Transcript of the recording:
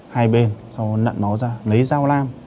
hai bên sau đó nặn nó ra lấy dao lam